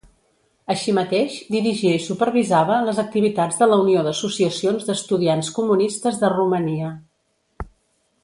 Així mateix, dirigia i supervisava les activitats de la Unió d'Associacions d'Estudiants Comunistes de Romania.